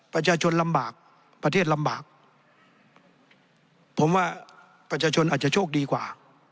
ประชาชนลำบากประเทศลำบากผมว่าประชาชนอาจจะโชคดีกว่า